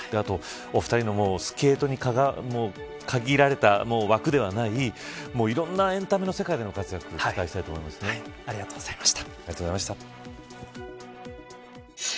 お二人のスケートに限られた枠ではないいろんなエンタメの世界でのありがとうございました。